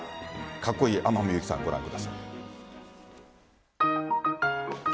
カッコイイ天海祐希さんご覧ください。